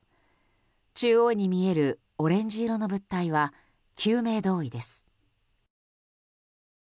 中央に見えるオレンジ色の物体は救命胴衣です。